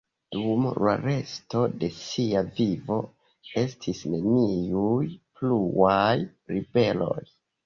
Dum la resto de sia vivo estis neniuj pluaj ribeloj.